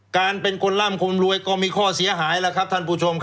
การเป็นคนร่ำคนรวยก็มีข้อเสียหายแล้วครับท่านผู้ชมครับ